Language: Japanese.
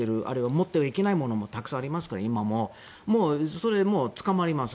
持ってはいけないものもたくさんありますからそれで捕まります。